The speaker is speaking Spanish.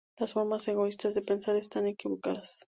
Las formas egoístas de pensar están equivocadas.